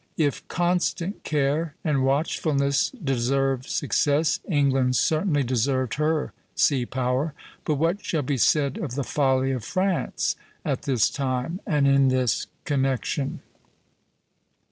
If constant care and watchfulness deserve success, England certainly deserved her sea power; but what shall be said of the folly of France at this time and in this connection?